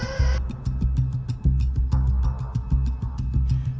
sejalan dengan polisi kriminal lawan universitas negeri makassar heri tahir juga yakin bahwa tersangka